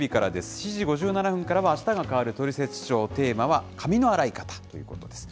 ７時５７分からはあしたが変わるトリセツショー、テーマは髪の洗い方ということですね。